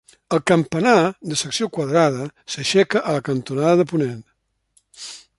El campanar, de secció quadrada s'aixeca a la cantonada de ponent.